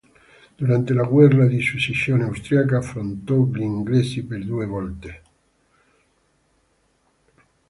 Durante la guerra di successione austriaca affrontò gli inglesi per due volte.